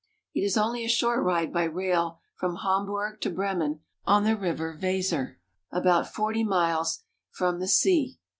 It is only a short ride by rail from Hamburg to Bremen on the river Weser, about forty miles from the sea.